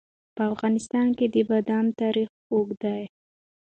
په افغانستان کې د بادام تاریخ اوږد دی.